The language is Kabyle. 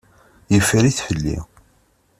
Yeffer-it fell-i.